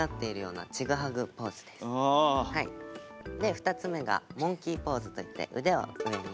で２つ目がモンキーポーズと言って腕を上に。